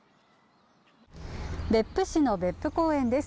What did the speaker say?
別府市の別府公園です。